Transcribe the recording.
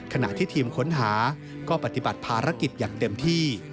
ขณะที่ทีมค้นหาก็ปฏิบัติภารกิจอย่างเต็มที่